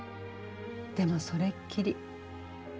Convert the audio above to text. でもそれっきり。